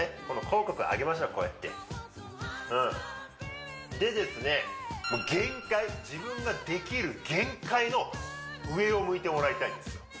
この口角を上げましょうこうやってでですねもう限界自分ができる限界の上を向いてもらいたいんですよ